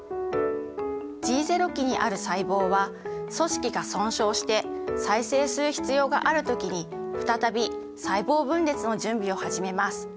Ｇ期にある細胞は組織が損傷して再生する必要がある時に再び細胞分裂の準備を始めます。